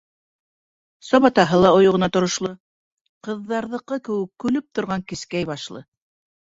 Сабатаһы ла ойоғона торошло, ҡыҙҙарҙыҡы кеүек көлөп торған кескәй башлы.